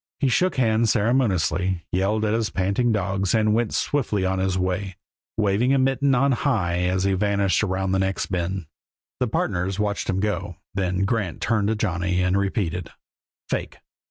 He shook hands ceremoniously, yelled at his panting dogs, and went swiftly on his way, waving a mitten on high as he vanished around the next bend. The partners watched him go, then Grant turned to Johnny, and repeated: "Fake!